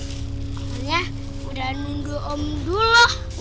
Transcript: pokoknya udah nunggu om dulu